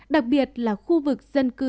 đặc biệt là khu vực dân cư